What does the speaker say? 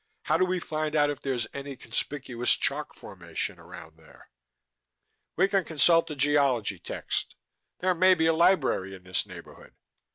"How do we find out if there's any conspicuous chalk formation around there?" "We can consult a geology text. There may be a library in this neighborhood."